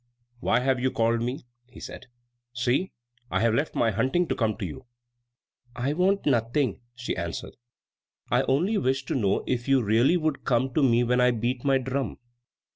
"Why have you called me?" he said. "See, I have left my hunting to come to you." "I want nothing," she answered; "I only wished to know if you really would come to me when I beat my drum."